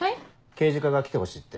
刑事課が来てほしいって。